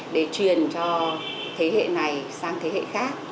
để truyền cho thế hệ này sang thế hệ khác